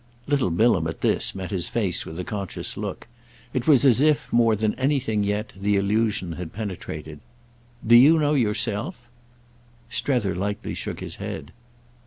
Little Bilham, at this, met his face with a conscious look—it was as if, more than anything yet, the allusion had penetrated. "Do you know yourself?" Strether lightly shook his head.